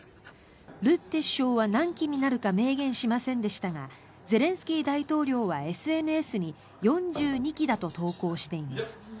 ルッテ首相は、何機になるか明言しませんでしたがゼレンスキー大統領はＳＮＳに４２機だと投稿しています。